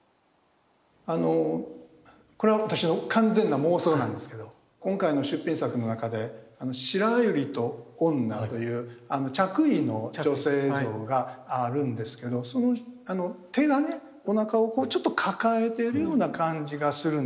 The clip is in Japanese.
これは私の完全な妄想なんですけど今回の出品作の中で「白百合と女」という着衣の女性像があるんですけどその手がねおなかをちょっと抱えてるような感じがするんですよ。